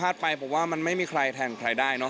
ถ้าตอบไปเพราะว่ามันไม่มีใครแท่งใครได้เนอะ